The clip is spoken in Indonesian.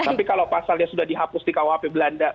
tapi kalau pasalnya sudah dihapus di kuhp belanda